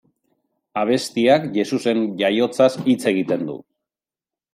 Abestiak Jesusen jaiotzaz hitz egiten du.